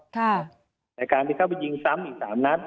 ในการที่เข้าไปยิงซ้ำอีก๓นัด